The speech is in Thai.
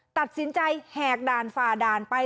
ตัดสินใจแหกด่านฝ่าด่านไป